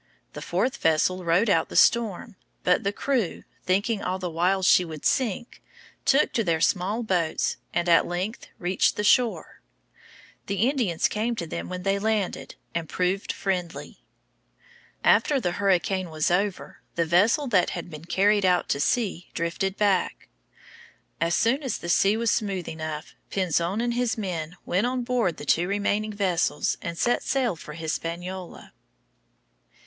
The fourth vessel rode out the storm, but the crew, thinking all the while she would sink, took to their small boats and at length reached the shore. The Indians came to them when they landed, and proved friendly. After the hurricane was over, the vessel that had been carried out to sea drifted back. As soon as the sea was smooth enough Pinzon and his men went on board the two remaining vessels and set sail for Hispaniola.